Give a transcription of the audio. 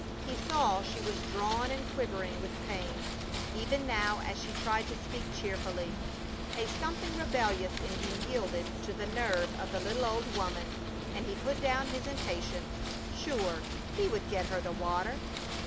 He saw she was drawn and quivering with pain, even now as she tried to speak cheerfully. A something rebellious in him yielded to the nerve of the little old woman, and he put down his impatience. Sure he would get her the water!